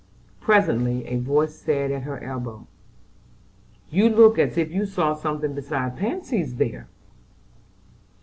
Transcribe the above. Presently a voice said at her elbow: "You look as if you saw something beside pansies there."